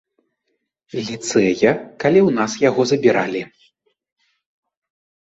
Ліцэя, калі ў нас яго забіралі.